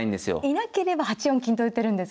いなければ８四金と打てるんですもんね。